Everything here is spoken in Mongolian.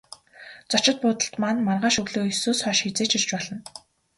Зочид буудалд маань маргааш өглөө есөөс хойш хэзээ ч ирж болно.